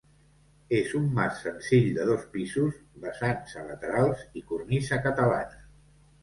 És un mas senzill de dos pisos, vessants a laterals i cornisa catalana.